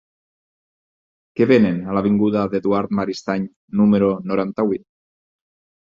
Què venen a l'avinguda d'Eduard Maristany número noranta-vuit?